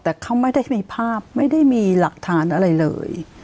แต่เขาไม่ได้มีภาพไม่ได้มีหลักฐานอะไรเลย